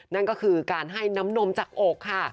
นั่นก็คือการให้น้ำนมจากอกค่ะ